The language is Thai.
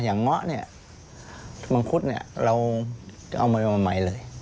เงาะเนี่ยมังคุดเนี่ยเราจะเอามาใหม่เลย